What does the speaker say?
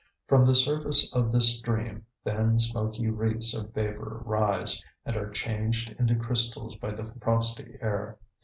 From the surface of this stream thin smoky wreaths of vapor rise and are changed into crystals by the frosty air.